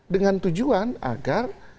dengan tujuan agar